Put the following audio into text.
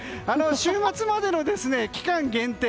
週末までの期間限定。